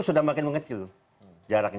sudah makin mengecil jaraknya